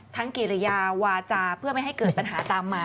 ทั้งเกรียววาจาเพื่อไม่ให้เกิดปัญหาตามมา